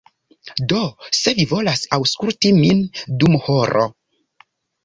Do se vi volas aŭskulti min dum horo